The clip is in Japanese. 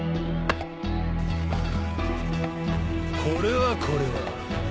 これはこれは。